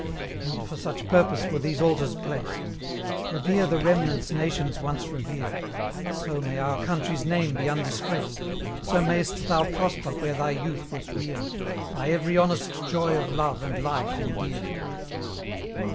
Not for such purpose were these altars placed. Revere the remnants nations once revered; So may our country's name be undisgraced, So mayst thou prosper where thy youth was reared, By every honest joy of love and life endeared!